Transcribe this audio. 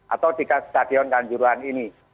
atau di stadion kanjuruhan ini